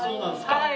はい。